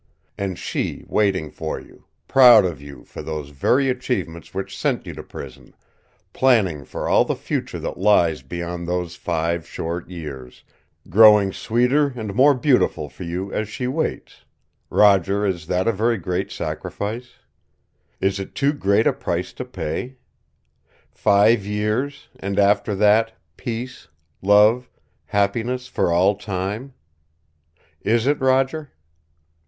And she waiting for you, proud of you for those very achievements which sent you to prison, planning for all the future that lies beyond those five short years, growing sweeter and more beautiful for you as she waits Roger, is that a very great sacrifice? Is it too great a price to pay? Five years, and after that peace, love, happiness for all time? Is it, Roger?"